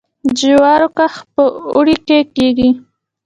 د جوارو کښت په اوړي کې کیږي.